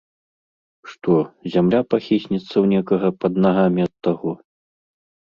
Што, зямля пахіснецца ў некага пад нагамі ад таго?!